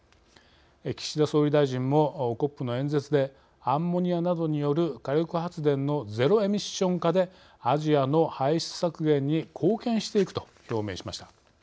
岸田総理大臣もＣＯＰの演説でアンモニアなどによる火力発電のゼロエミッション化でアジアの排出削減に貢献していくと表明しました。